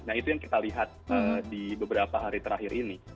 nah itu yang kita lihat di beberapa hari terakhir ini